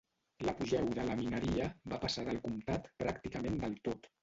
L'apogeu de la mineria va passar del comtat pràcticament del tot.